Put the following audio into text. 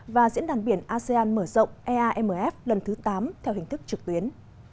và diễn đàn biển asean mở rộng eamf lần thứ tám theo hình thức trực tuyến